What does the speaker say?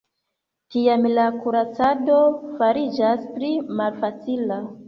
Tiam la kuracado fariĝas pli malfacila.